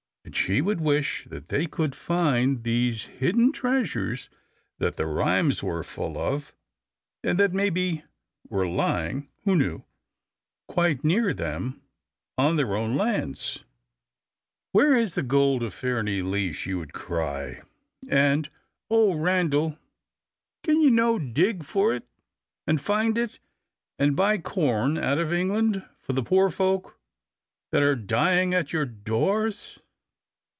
And she would wish they could find these hidden treasures that the rhymes were full of, and that maybe were lying who knew? quite near them on their own lands. "Where is the Gold of Fairnilee?" she would cry; "and, oh, Randal! can you no dig for it, and find it, and buy corn out of England for the poor folk that are dying at your doors?